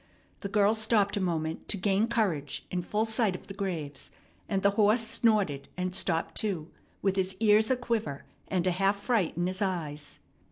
The girl stopped a moment to gain courage in full sight of the graves, and the horse snorted, and stopped too, with his ears a quiver, and a half fright in his eyes.